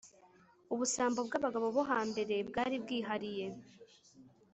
Ubusambo bw’abagabo bo hambere bwaribwihariye